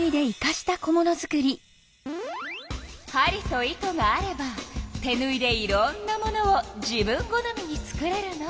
針と糸があれば手ぬいでいろんなものを自分好みに作れるの。